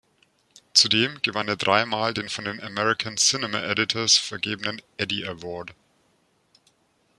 Zudem gewann er drei Mal den von den American Cinema Editors vergebenen Eddie Award.